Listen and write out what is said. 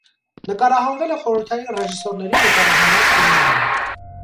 Նկարահանվել է խորհրդային ռեժիսորների նկարահանված ֆիլմերում։